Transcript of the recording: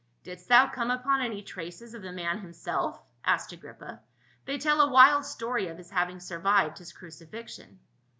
" Didst thou come upon any traces of the man him self?" asked Agrippa. " They tell a wild story of his having survived his crucifixion."